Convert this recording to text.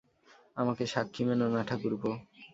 আমাকে সাক্ষী মেনো না ঠাকুরপো।